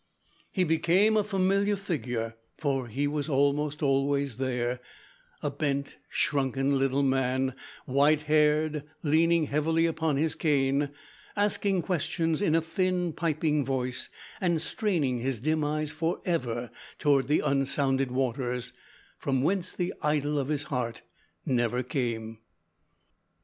He became a familiar figure, for he was almost always there a bent, shrunken little man, white haired, leaning heavily upon his cane, asking questions in a thin piping voice, and straining his dim eyes forever toward the unsounded waters, from whence the idol of his heart never came.